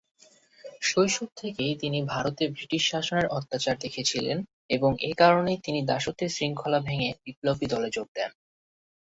শৈশব থেকেই তিনি ভারতে ব্রিটিশ শাসনের অত্যাচার দেখেছিলেন এবং এ কারণেই তিনি দাসত্বের শৃঙ্খলা ভেঙে বিপ্লবী দলে যোগ দেন।